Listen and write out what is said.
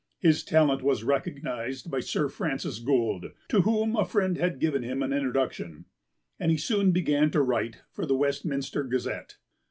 His talent was recognised by Sir Francis Gould, to whom a friend had given him an introduction, and he soon began to write for the Westminster Gazette.